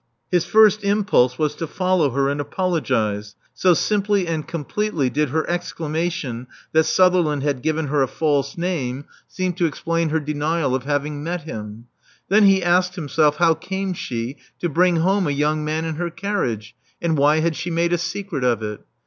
His first impulse was to follow her and apologize, so simply and completely did her exclamation that Sutherland had given her a false name seem to explain 370 Love Among the Artists her denial of having met him. Then he asked himself how came she to bring home a young man in her carriage ; and why had she made a secret of it?